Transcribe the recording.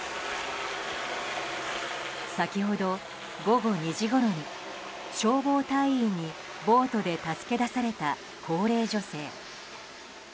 先ほど、午後２時ごろに消防隊員にボートで助け出された高齢女性。